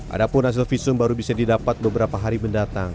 adapun hasil visum baru bisa didapat beberapa hari mendatang